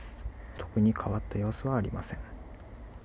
特に変わった様子はありません。